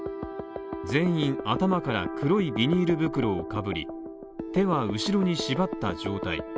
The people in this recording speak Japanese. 全員頭から黒いビニール袋をかぶり、手は後ろに縛った状態。